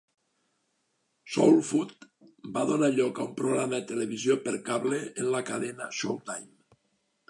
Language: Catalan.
"Soul Food" va donar lloc a un programa de televisió per cable en la cadena Showtime.